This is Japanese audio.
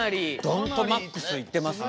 ドンとマックスいってますね。